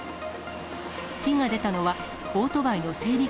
火が出たのは、オートバイの整備